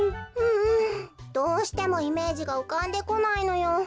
うんどうしてもイメージがうかんでこないのよ。